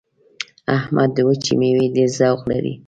احمد د وچې مېوې ډېر ذوق لري.